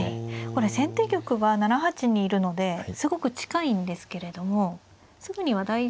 これ先手玉は７八にいるのですごく近いんですけれどもすぐには大丈夫なんですね。